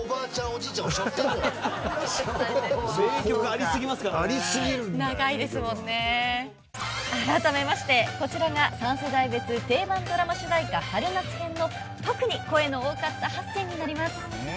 あらためましてこちらが３世代別定番ドラマ主題歌春夏編の特に声の多かった８選になります。